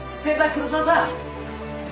黒澤さん！